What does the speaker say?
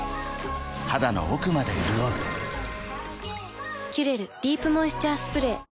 肌の奥まで潤う「キュレルディープモイスチャースプレー」